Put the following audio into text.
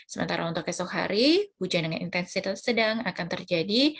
sementara untuk besok hari hujan dengan intensitas sedang disetai